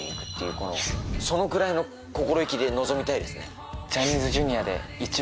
そのくらいの心意気で臨みたいですね。